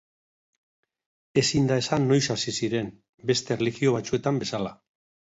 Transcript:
Ezin da esan noiz hasi ziren, beste erlijio batzuetan bezala.